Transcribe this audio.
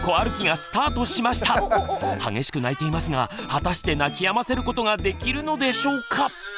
激しく泣いていますが果たして泣きやませることができるのでしょうか？